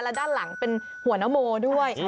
และด้านหลังเป็นหัวนโมด้วย